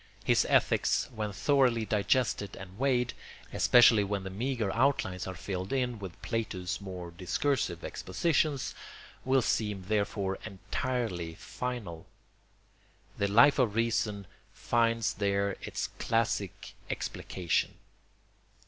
His ethics, when thoroughly digested and weighed, especially when the meagre outlines are filled in with Plato's more discursive expositions, will seem therefore entirely final. The Life of Reason finds there its classic explication.